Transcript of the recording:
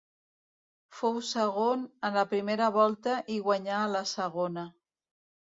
Fou segon a la primera volta i guanyà a la segona.